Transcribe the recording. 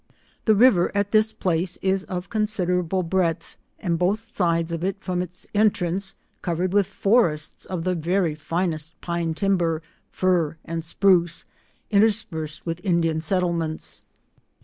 The river at this place, is of conside rable breadth, and both sides of it from its entrance, covered with forests of the very finest pine timber, Hr and spruce, interspersed with Indian settle ments.